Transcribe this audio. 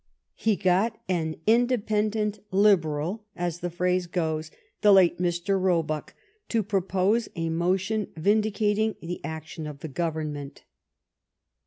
He got an " independent Liberal," as the phrase goes, the late Mr, Roebuck, to propose a motion vindicating the action of the Government.